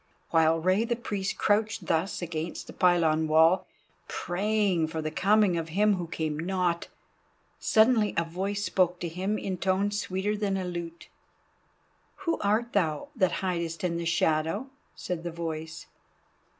While Rei the Priest crouched thus against the pylon wall, praying for the coming of him who came not, suddenly a voice spoke to him in tones sweeter than a lute. "Who art thou that hidest in the shadow?" said the voice.